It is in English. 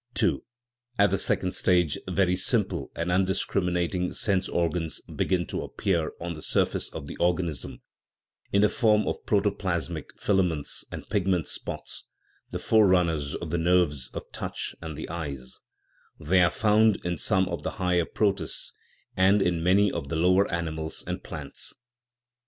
II. At the second stage very simple and undis criminating sense organs begin to appear on the sur face of the organism, in the form of protoplasmic fila ments and pigment spots, the forerunners of the nerves of touch and the eyes ; these are found in some of the higher protists and in many of the lower animals and plants.